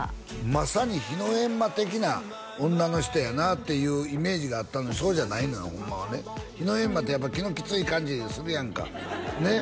まさに丙午的な女の人やなっていうイメージがあったのにそうじゃないのよホンマはね丙午ってやっぱり気のキツい感じするやんかねっ？